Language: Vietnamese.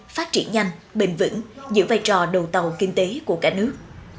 phát triển nhanh bền vững giữ vai trò đầu tàu kinh tế của cả nước